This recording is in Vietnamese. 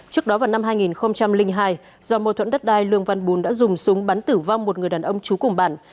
trước đó vào năm hai nghìn hai do mô thuẫn đất đai lương văn bún đã dùng súng bắn tử vong một người đàn ông chú cùng bạn